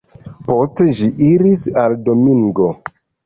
Poste ĝi iris al Domingo.